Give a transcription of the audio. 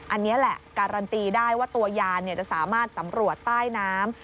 อันนี้แหละการันตีได้ว่าตัวยานจะสามารถสำรวจใต้น้ำ